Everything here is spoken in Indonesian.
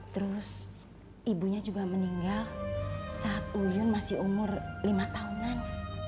terus ibunya juga meninggal saat uyun masih umur lima tahunan